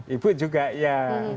ibu juga ya